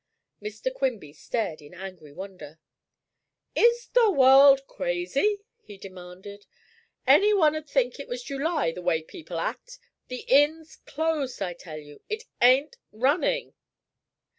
Mr. Quimby stared in angry wonder. "Is the world crazy?" he demanded. "Any one 'd think it was July, the way people act. The inn's closed, I tell you. It ain't running."